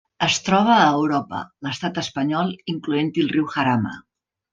Es troba a Europa: l'Estat espanyol, incloent-hi el riu Jarama.